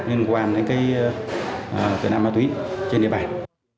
liên quan đến tội năng ma túy trên địa bàn